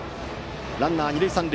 ランナー、二塁三塁。